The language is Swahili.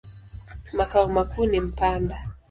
Makao makuu ni Mpanda.